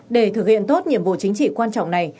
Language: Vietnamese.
để thực hiện tốt nhiệm vụ chính trị quan trọng này